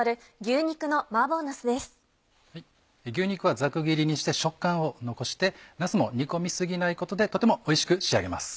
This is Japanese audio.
牛肉はざく切りにして食感を残してなすも煮込み過ぎないことでとてもおいしく仕上げます。